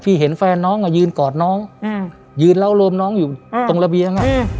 พี่เห็นแฟนน้องอ่ะยืนกอดน้องอืมยืนเลาลมน้องอยู่ตรงระเบียงอ่ะ